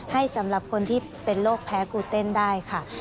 สำหรับคนที่เป็นโรคแพ้กูเต้นได้ค่ะ